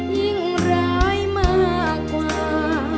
ยิ่งร้ายมากกว่า